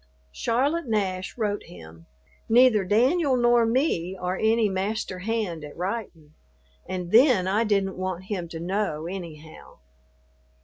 Charlotte Nash wrote him. Neither Danyul nor me are any master hand at writin', and then I didn't want him to know anyhow.